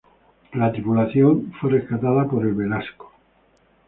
La tripulación fue rescatada por el "Velasco".